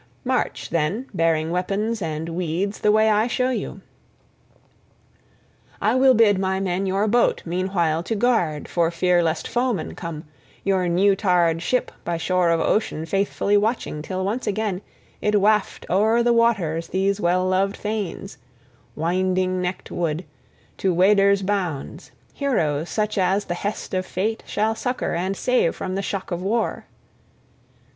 March, then, bearing weapons and weeds the way I show you. I will bid my men your boat meanwhile to guard for fear lest foemen come, your new tarred ship by shore of ocean faithfully watching till once again it waft o'er the waters those well loved thanes, winding neck'd wood, to Weders' bounds, heroes such as the hest of fate shall succor and save from the shock of war."